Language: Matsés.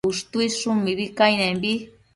Ushtuidshun mibi cainembi